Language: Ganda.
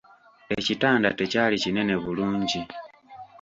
Ekitanda tekyali kinene bulungi.